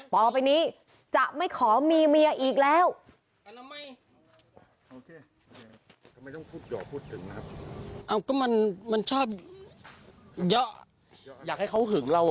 ต่อไปนี้จะไม่ขอมีเมียอีกแล้ว